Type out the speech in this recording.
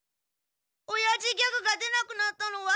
オヤジギャグが出なくなったのは。